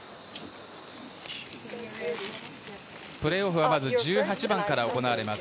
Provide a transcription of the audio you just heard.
プレーオフは、まず１８番から行われます。